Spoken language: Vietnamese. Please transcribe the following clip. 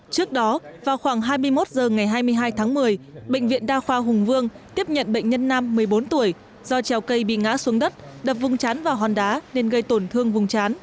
trước đó vào khoảng hai mươi một h ngày hai mươi hai tháng một mươi bệnh viện đa khoa hùng vương tiếp nhận bệnh nhân nam một mươi bốn tuổi do trèo cây bị ngã xuống đất đập vùng chán vào hòn đá nên gây tổn thương vùng chán